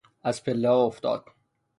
از پلهها افتاد.